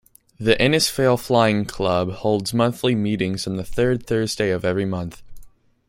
The Innisfail Flying Club holds monthly meetings on the third Thursday of every month.